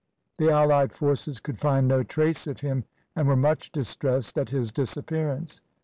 The allied forces could find no trace of him, and were much distressed at his disappearance.